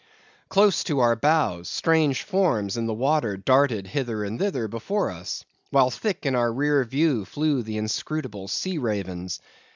Close to our bows, strange forms in the water darted hither and thither before us; while thick in our rear flew the inscrutable sea ravens.